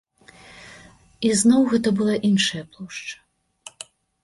І зноў гэта была іншая плошча.